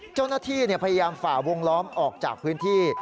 เจ้าหน้าที่พยายามฝ่าวงล้อมออกจากพื้นที่